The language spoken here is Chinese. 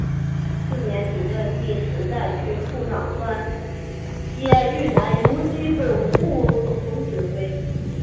次年起任第十战区副长官兼豫南游击总部总指挥。